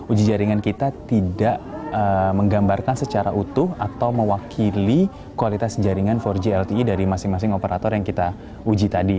uji jaringan kita tidak menggambarkan secara utuh atau mewakili kualitas jaringan empat g lte dari masing masing operator yang kita uji tadi